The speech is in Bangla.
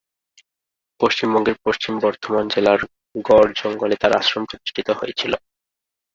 পশ্চিমবঙ্গের পশ্চিম বর্ধমান জেলার গড় জঙ্গলে তার আশ্রম প্রতিষ্ঠিত হয়েছিল।